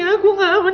aku gak aman